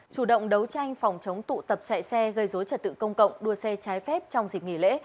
chủ động đấu tranh phòng chống tụ tập chạy xe gây dối trật tự công cộng đua xe trái phép trong dịp nghỉ lễ